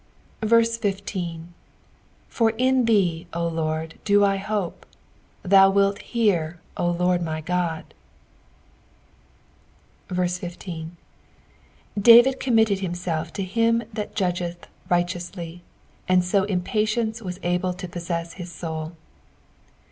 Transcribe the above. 1 5 For in thee, O Lord, do I hope ; thou wilt hear, O Lord my God. 15. David committed himself to him that judgetb righteously, sod so in patience was able to pOBsesa his soul.